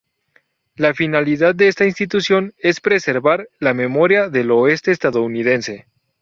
La finalidad de esta institución es preservar la memoria del Oeste Estadounidense.